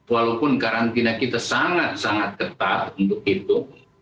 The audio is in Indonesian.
walaupun karantina kita sangat sangat ketat untuk itu